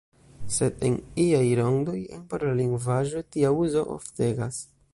Sed en iaj rondoj, en parola lingvaĵo, tia uzo oftegas.